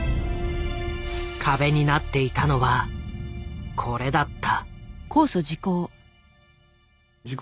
壁になっていたのはこれだった。